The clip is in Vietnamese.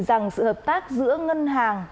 rằng sự hợp tác giữa ngân hàng